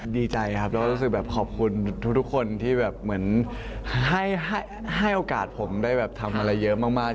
ดีใจครับแล้วก็รู้สึกแบบขอบคุณทุกคนที่แบบเหมือนให้โอกาสผมได้แบบทำอะไรเยอะมาก